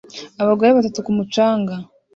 Abagore batatu ku mucanga